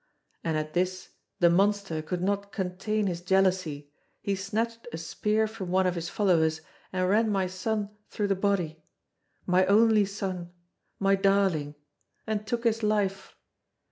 And at this the monster could not contain his jealousy; he snatched a spear from one of his followers and ran my son through the body, my only son, my darling, and took his life.